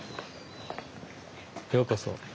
ようこそ。